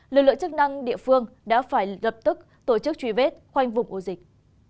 lực lượng chức năng địa phương đã phải lập tức tổ chức truy vết khoanh vùng ổ dịch